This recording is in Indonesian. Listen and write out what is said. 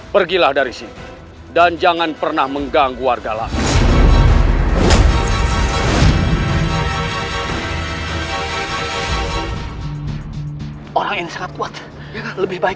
pergilah dari sini dan jangan pernah mengganggu warga lain orang yang sangat kuat lebih baik